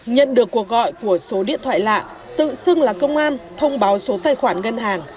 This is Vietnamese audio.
nhận được cuộc gọi của số điện thoại lạ tự xưng là công an thông báo số tài khoản ngân hàng